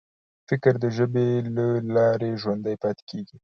فکر د ژبې له لارې ژوندی پاتې کېږي.